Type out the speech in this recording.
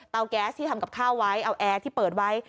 แก๊สที่ทำกับข้าวไว้เอาแอร์ที่เปิดไว้